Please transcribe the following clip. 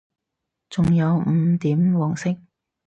仲有五點黃色